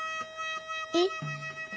えっ？